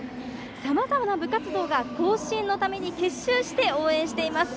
さまざまな部活動が甲子園のために結集して応援しています。